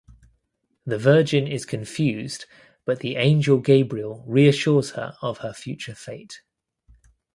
The Virgin is confused but the Angel Gabriel reassures her of her future fate.